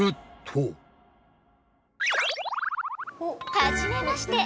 はじめまして。